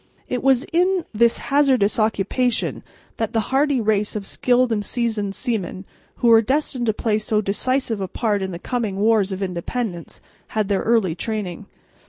It was in this hazardous occupation that the hardy race of skilled and seasoned seamen, who were destined to play so decisive a part in the coming wars of independence, had their early training.